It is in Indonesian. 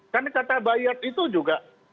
karena kata bayat itu juga